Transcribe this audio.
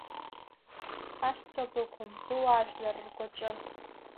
Хашҭра бықәым буаажәлар ргәаҿы.